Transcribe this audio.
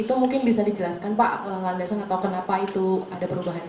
itu mungkin bisa dijelaskan pak landasan atau kenapa itu ada perubahan